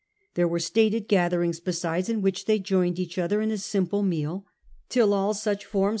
There were stated gatherings besides, in which they joined each other in a simple meal, till all such forms oi CH.